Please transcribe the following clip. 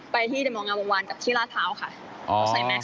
ไปที่มองงานวงวานกับที่ลาเท้าค่ะ